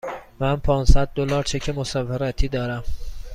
من پانصد دلار چک مسافرتی دارم.